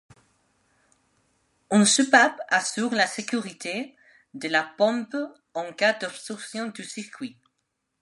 Une soupape assure la sécurité de la pompe en cas d'obstruction du circuit.